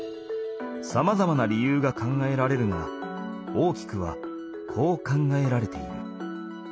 さまざまな理由が考えられるが大きくはこう考えられている。